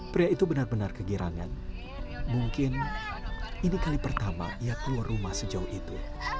pria itu benar benar kegirangan mungkin ini kali pertama ia keluar rumah sejauh itu